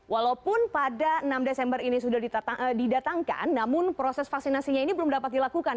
walaupun pada enam desember ini sudah didatangkan namun proses vaksinasinya ini belum dapat dilakukan